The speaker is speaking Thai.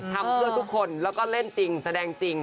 ทำเพื่อทุกคนแล้วก็เล่นจริงแสดงจริง